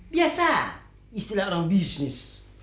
biasa istilah orang bisnis